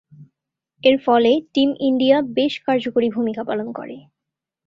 এর ফলে team India বেশ কার্যকরী ভূমিকা পালন করে।